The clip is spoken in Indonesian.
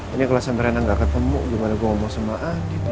ini kalau sampai rena gak ketemu gimana gue ngomong sama adit ya